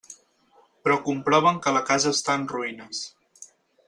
Però comproven que la casa està en ruïnes.